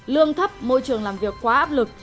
lương thấp môi trường làm việc quá áp lực